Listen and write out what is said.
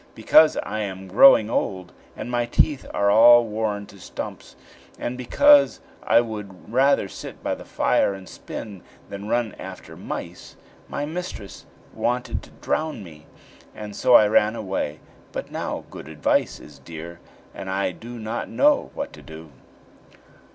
"Because I am growing old, and my teeth are all worn to stumps, and because I would rather sit by the fire and spin, than run after mice, my mistress wanted to drown me; and so I ran away. But now good advice is dear, and I do not know what to do."